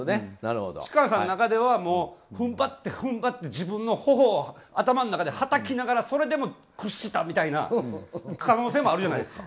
芝翫さんの中では踏ん張って踏ん張って自分の頬を頭の中ではたきながらそれでも屈したみたいな可能性もあるじゃないですか。